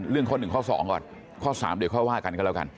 เรื่องข้อ๑ข้อ๒ก่อนข้อ๓เดี๋ยวข้อ๕กันก็แล้วกัน